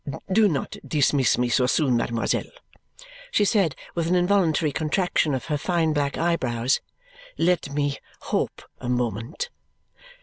"Do not dismiss me so soon, mademoiselle!" she said with an involuntary contraction of her fine black eyebrows. "Let me hope a moment!